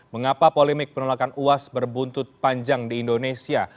mengapa polemik penolakan uas berbuntut panjang di indonesia